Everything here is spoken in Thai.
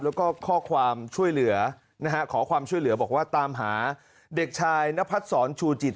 แล้วก็ขอความช่วยเหลือบอกว่าตามหาเด็กชายนพัฒน์สอนชูจิต